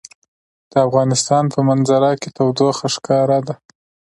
د افغانستان په منظره کې تودوخه ښکاره ده.